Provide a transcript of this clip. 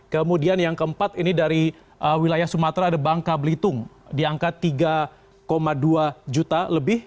kemudian yang keempat ini dari wilayah sumatera ada bangka belitung di angka tiga dua juta lebih